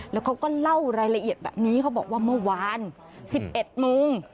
แล้วเขาก็เล่ารายละเอียดแบบนี้เขาบอกว่าเมื่อวาน๑๑โมง